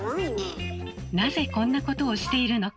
なぜこんなことをしているのか。